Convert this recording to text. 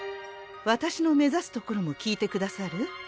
私の目指すところも聞いてくださる？